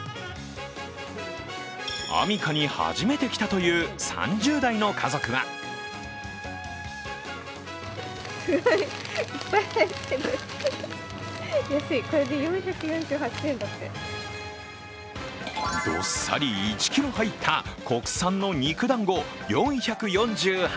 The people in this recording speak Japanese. アミカに初めて来たという３０代の家族はどっさり１ｋｇ入った国産の肉だんご４４８円。